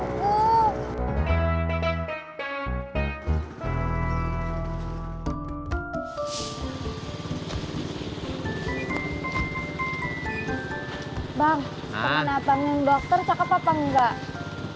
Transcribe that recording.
kau mau datangin dokter cakep apa enggak